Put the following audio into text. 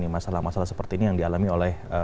masalah masalah seperti ini yang dialami oleh